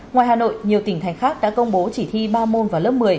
ngoài hà nội nhiều tỉnh thành khác đã công bố chỉ thi ba môn vào lớp một mươi